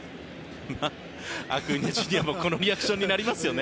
アクーニャＪｒ．もこのリアクションになりますよね。